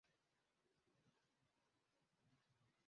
basabwa kuryamana n’uwo mugabo mu gihe cy’iminsi itatu